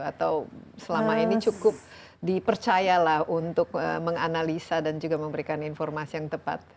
atau selama ini cukup dipercaya lah untuk menganalisa dan juga memberikan informasi yang tepat